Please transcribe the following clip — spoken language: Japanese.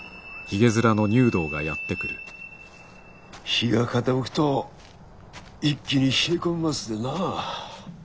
日が傾くと一気に冷え込みますでなあ。